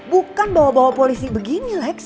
bukan bawa bawa polisi begini next